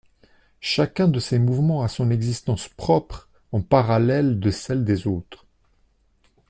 Chacun de ces mouvements a son existence propre en parallèle de celle des autres.